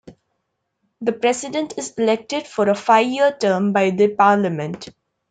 The president is elected for a five-year term by the parliament.